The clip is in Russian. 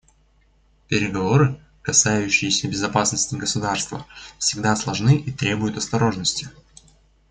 Переговоры, касающиеся безопасности государства, всегда сложны и требуют осторожности.